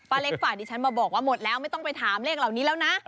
เล็กฝากดิฉันมาบอกว่าหมดแล้วไม่ต้องไปถามเลขเหล่านี้แล้วนะ